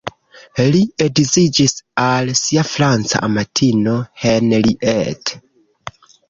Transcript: Li edziĝis al sia franca amatino Henriette.